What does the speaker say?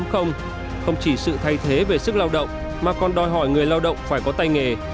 không chỉ sự thay thế về sức lao động mà còn đòi hỏi người lao động phải có tay nghề